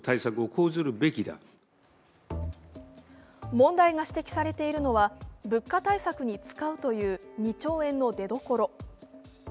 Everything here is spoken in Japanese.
問題が指摘されているのは、物価対策に使うという２兆円の出どころ。